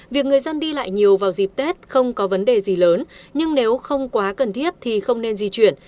việc người dân đi lại nhiều vào dịp tết không có vấn đề gì lớn nhưng nếu không quá cần thiết thì không nên di chuyển